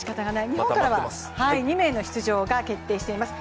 日本からは２名の出場が決定しています。